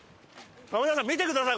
富澤さん見てください